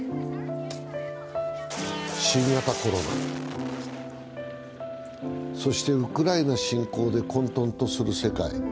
新型コロナ、そしてウクライナ侵攻で混沌とする世界。